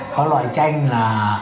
có loại tranh là